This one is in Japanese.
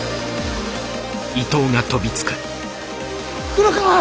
黒川！